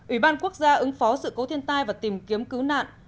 ủy ban quốc gia ứng phó sự cố thiên tai và tìm kiếm cứu nạn